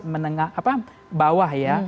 menengah apa bawah ya